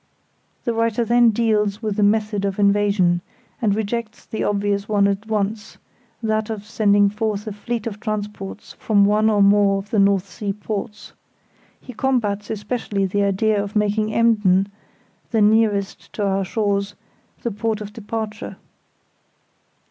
The writer then deals with the method of invasion, and rejects the obvious one at once, that of sending forth a fleet of transports from one or more of the North Sea ports. He combats especially the idea of making Emden (the nearest to our shores) the port of departure.